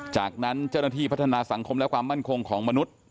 จากนั้นเจ้าหน้าที่พัฒนาสังคมและความมั่นคงของมนุษย์